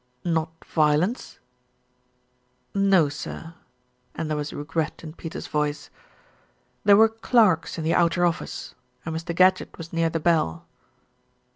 "Not violence?" "No, sir," and there was regret in Peters' voice, "there were clerks in the outer office, and Mr. Gadgett was near the bell."